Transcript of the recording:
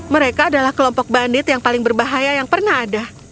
mereka adalah kelompok bandit yang paling berbahaya yang pernah ada